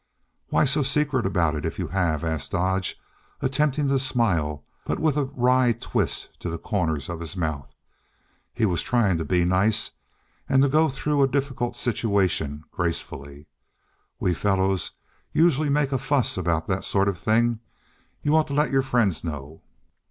"Why so secret about it, if you have?" asked Dodge, attempting to smile, but with a wry twist to the corners of his mouth. He was trying to be nice, and to go through a difficult situation gracefully. "We fellows usually make a fuss about that sort of thing. You ought to let your friends know."